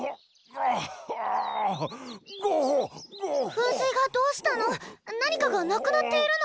噴水がどうしたの？